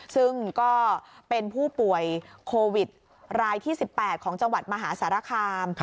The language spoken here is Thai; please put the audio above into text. ซึ่งก็เป็นผู้ป่วยโควิดรายที่๑๘ของจังหวัดมหาสารคาม